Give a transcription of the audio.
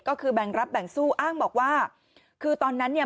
ก็คือแบ่งรับแบ่งสู้อ้างบอกว่าคือตอนนั้นเนี่ย